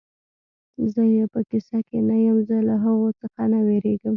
زه یې په کیسه کې نه یم، زه له هغو څخه نه وېرېږم.